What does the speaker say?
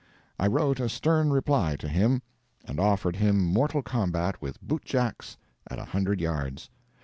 I wrote a stern reply to him, and offered him mortal combat with bootjacks at a hundred yards.